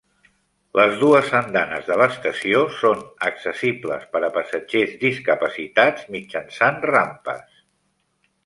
Les dues andanes de l'estació són accessibles per a passatgers discapacitats mitjançant rampes.